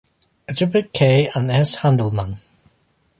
Alibek, K. and S. Handelman.